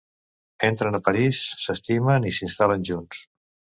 Entren a París, s'estimen i s'instal·len junts.